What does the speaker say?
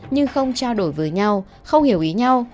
nhưng không trao đổi với nhau không hiểu ý nhau